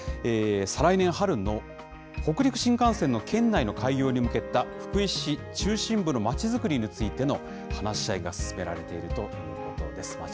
再来年春の北陸新幹線の県内の開業に向けた、福井市中心部のまちづくりについての話し合いが進められているということです。